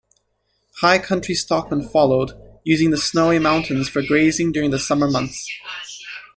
High-country stockmen followed, using the Snowy Mountains for grazing during the summer months.